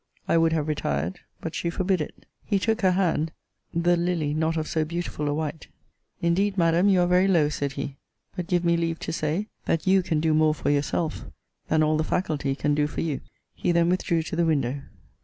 I would have retired: but she forbid it. He took her hand, the lily not of so beautiful a white: Indeed, Madam, you are very low, said he: but give me leave to say, that you can do more for yourself than all the faculty can do for you. He then withdrew to the window.